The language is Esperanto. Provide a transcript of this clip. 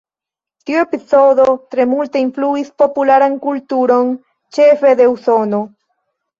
Tio epizodo tre multe influis popularan kulturon, ĉefe de Usono.